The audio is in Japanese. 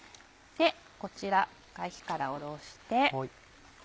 こちら一回火からおろして。